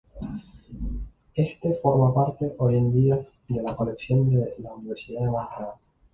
Éste forma parte, hoy en día, de la colección de la Universidad de Montreal.